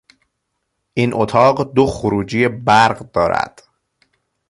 این اتاق دو خروجی برق دارد.